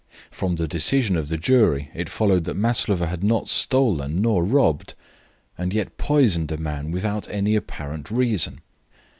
From the decision of the jury it followed that Maslova had not stolen, nor robbed, and yet poisoned a man without any apparent reason.